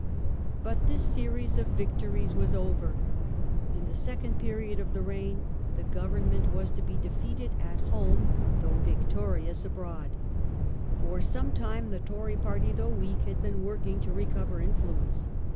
But this series of victories was over. In the second period of the reign the government was to be defeated at A Tory homc though victorious abroad. For some reaction, ti^e the Tory party, though weak, had been working to recover influence.